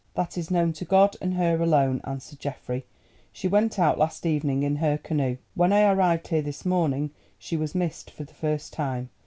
"That is known to God and her alone," answered Geoffrey. "She went out last evening in her canoe. When I arrived here this morning she was missed for the first time.